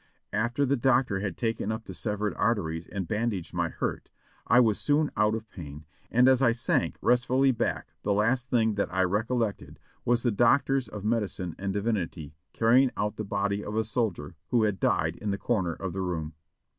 After the doctor had taken up the severed arteries and bandaged my hurt, I was soon out of pain, and as I sank restfully back the last thing that I recollected was the doctors of medicine and divinity carrying out the body of a soldier who had died in the corner of the room.